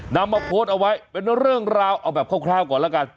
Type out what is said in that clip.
นำมาโพสต์เอาไว้เป็นเรื่องราวเอาแบบคร่าวก่อนแล้วกัน